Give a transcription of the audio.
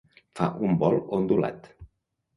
Fa un vol ondulat.